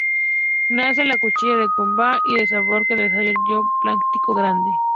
Nace en la Cuchilla del Queguay y desemboca en el arroyo Blanquillo Grande.